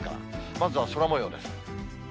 まずは空もようです。